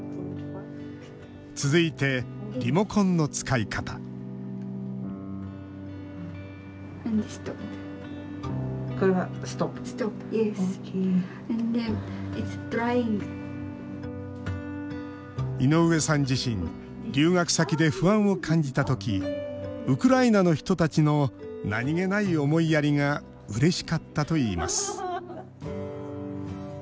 続いて、リモコンの使い方井上さん自身留学先で不安を感じたときウクライナの人たちの何気ない思いやりがうれしかったといいます。